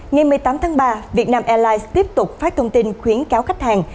ngày một mươi tám tháng ba vietnam airlines tiếp tục phát thông tin khuyến cáo khách hàng